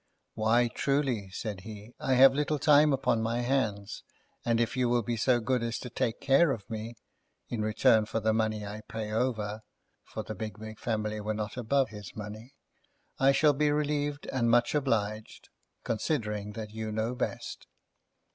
"Why truly," said he, "I have little time upon my hands; and if you will be so good as to take care of me, in return for the money I pay over"—for the Bigwig family were not above his money—"I shall be relieved and much obliged, considering that you know best."